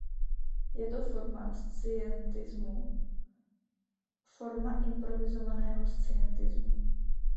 Je to forma scientismu, forma improvizovaného scientismu.